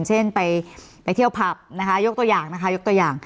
เช่นไปเที่ยวพับยกตัวอย่างนะคะ